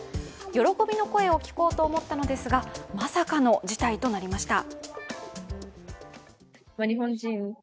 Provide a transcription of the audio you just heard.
喜びの声を聞こうと思ったのですが、まさかの事態になりました。